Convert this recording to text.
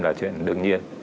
là chuyện đương nhiên